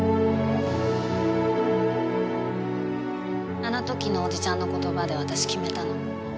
あの時のおじちゃんの言葉で私決めたの。